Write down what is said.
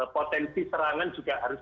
potensi serangan juga harus